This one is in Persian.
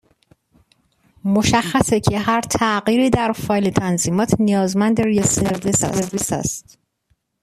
مشخصه که هر تغییری در فایل تنظیمات نیازمند ری استارت سرویس است.